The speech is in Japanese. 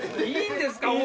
いいんですか？